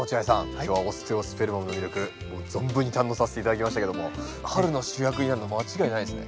今日はオステオスペルマムの魅力存分に堪能させて頂きましたけども春の主役になるの間違いないですね。